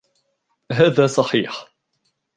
هذا صحيح.